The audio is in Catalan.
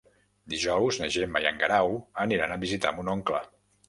Dijous na Gemma i en Guerau aniran a visitar mon oncle.